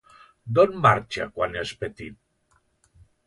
D'on marxa quan és petit?